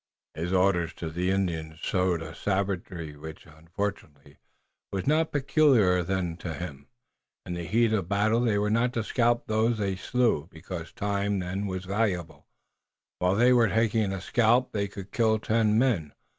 His orders to the Indians showed a savagery which, unfortunately, was not peculiar then to him. In the heat of battle they were not to scalp those they slew, because time then was so valuable. While they were taking a scalp they could kill ten men.